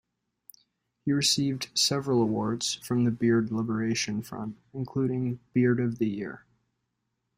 He received several awards from the Beard Liberation Front, including "Beard of the Year".